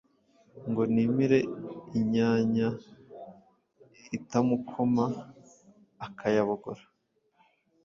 ngo nimire inyanya itamukoma akayabogora,